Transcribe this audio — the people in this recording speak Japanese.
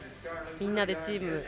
みんなでチーム